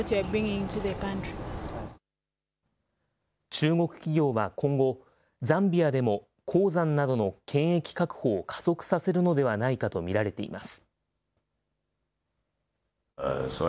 中国企業は今後、ザンビアでも、鉱山などの権益確保を加速させるのではないかと見られています。